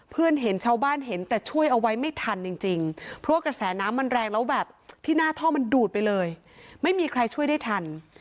เห็นชาวบ้านเห็นแต่ช่วยเอาไว้ไม่ทันจริงเพราะว่ากระแสน้ำมันแรงแล้วแบบที่หน้าท่อมันดูดไปเลยไม่มีใครช่วยได้ทัน